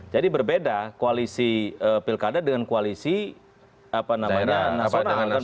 jadi berbeda koalisi pil keadaan dengan koalisi apa namanya nasional